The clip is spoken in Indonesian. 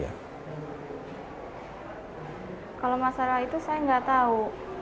kalau masalah itu saya nggak tahu